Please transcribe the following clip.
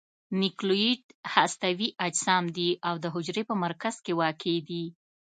نوکلوئید هستوي اجسام دي او د حجرې په مرکز کې واقع دي.